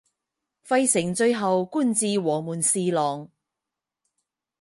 费承最后官至黄门侍郎。